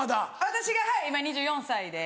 私がはい今２４歳で。